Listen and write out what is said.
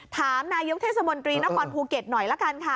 ถามนายกเทศมนตรีนครภูเก็ตหน่อยละกันค่ะ